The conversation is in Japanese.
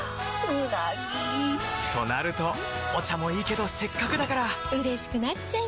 うなぎ！となるとお茶もいいけどせっかくだからうれしくなっちゃいますか！